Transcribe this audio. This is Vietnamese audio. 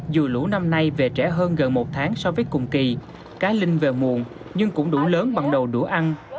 dù lũ năm nay về trẻ hơn gần một tháng so với cùng kỳ cá linh về muộn nhưng cũng đủ lớn bằng đồ ăn